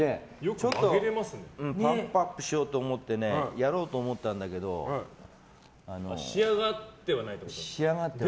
ちょっとパンプアップしようと思ってやろうと思ったんだけど仕上がってはいないってことですか。